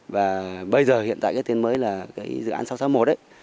và bây giờ hiện tại cái tên mới là cái dự án sáu trăm sáu mươi một đấy